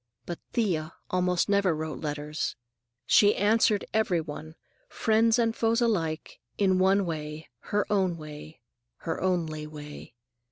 But Thea almost never wrote letters. She answered every one, friends and foes alike, in one way, her own way, her only way.